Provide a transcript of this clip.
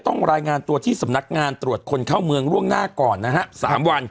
รายงานตัวที่สำนักงานตรวจคนเข้าเมืองล่วงหน้าก่อนนะฮะ๓วัน